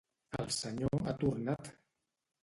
El senyor ha tornat!